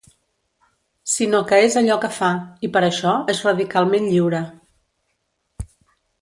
...sinó que és allò que fa, i per això és radicalment lliure.